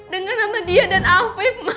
dengan nama dia dan afif mas